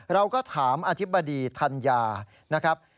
เราก็ถามอธิบดีธัญญานะครับ